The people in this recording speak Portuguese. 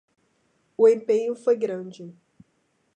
O empenho foi grande